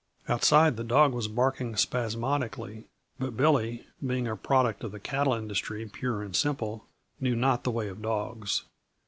Outside, the dog was barking spasmodically; but Billy, being a product of the cattle industry pure and simple, knew not the way of dogs.